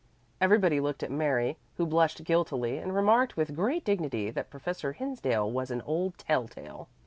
Everybody looked at Mary, who blushed guiltily and remarked with great dignity that Professor Hinsdale was an old telltale.